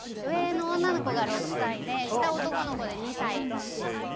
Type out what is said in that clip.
上の女の子が６歳で下男の子で２歳です。